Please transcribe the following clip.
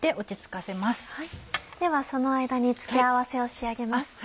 ではその間に付け合わせを仕上げます。